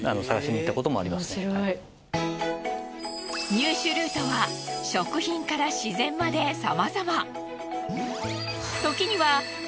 入手ルートは食品から自然まで様々。